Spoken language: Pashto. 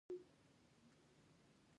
د چک ولسوالۍ بریښنا لري